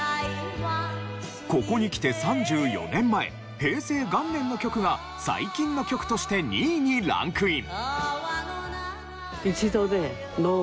ここにきて３４年前平成元年の曲が最近の曲として２位にランクイン。